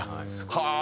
はあ！